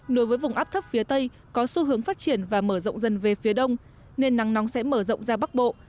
nối với vùng áp thấp phía tây có xu hướng phát triển và mở rộng dần về phía đông nên nắng nóng sẽ mở rộng ra bắc bộ